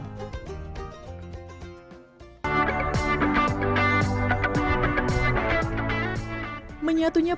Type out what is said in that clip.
menyatunya proyek wisata yang terkenal di pulau bajo